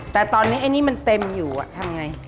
แต่ตอนนี้อันนี้มันเต็มอยู่อ่ะทำอย่างไร